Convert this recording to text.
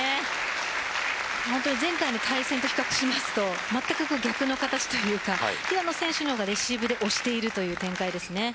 本当に前回の対戦と比較しますとまったく逆の形というか平野選手の方がレシーブで押している展開です。